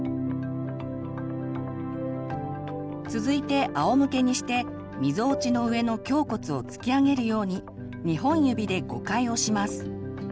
続いてあおむけにしてみぞおちの上の胸骨を突き上げるように二本指で５回押します。